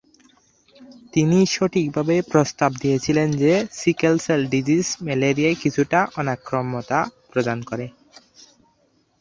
তিনি সঠিকভাবে প্রস্তাব দিয়েছিলেন যে সিকেল-সেল ডিজিজ ম্যালেরিয়ায় কিছুটা অনাক্রম্যতা প্রদান করে।